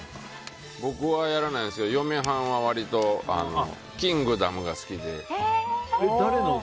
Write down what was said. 僕はやらないんですけど嫁はんは割と「キングダム」が好きで。